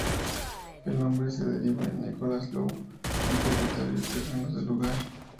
El nombre se deriva de Nicholas Low, un propietario de terrenos del lugar.